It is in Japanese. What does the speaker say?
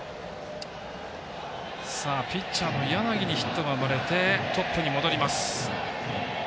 ピッチャーの柳にヒットが生まれてトップに戻ります。